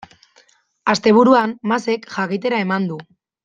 Asteburuan Masek jakitera eman du.